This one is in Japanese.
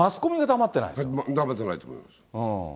黙ってないと思います。